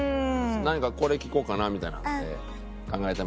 何かこれ聞こうかなみたいなのって考えてますか？